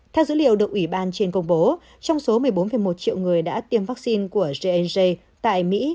theo dữ liệu được ủy ban trên công bố trong số một mươi bốn một triệu người đã tiêm vaccine của gng tại mỹ